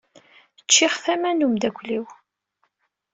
Ččiɣ tama n umeddakel-iw.